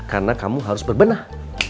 karena kamu harus berbenah